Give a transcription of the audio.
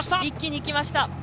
一気にいきました。